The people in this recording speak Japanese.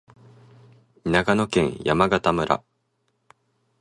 長野県山形村